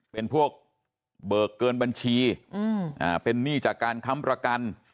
เป็นพวกเบิกเกินบัญชีเป็นหนี้จากการค้ำประกัน